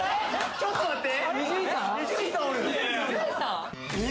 ちょっと待って！